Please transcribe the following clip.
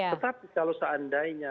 tetapi kalau seandainya